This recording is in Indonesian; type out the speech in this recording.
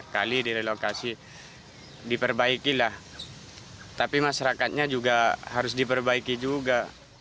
kali direlokasi diperbaikilah tapi masyarakatnya juga harus diperbaiki juga